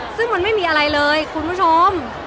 ซึ่งมันไม่มีอะไรเลยคุณผู้ชม